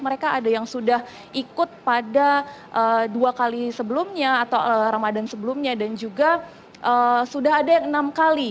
mereka ada yang sudah ikut pada dua kali sebelumnya atau ramadan sebelumnya dan juga sudah ada yang enam kali